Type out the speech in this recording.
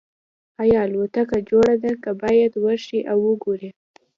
ایا الوتکه جوړه ده که باید ورشئ او وګورئ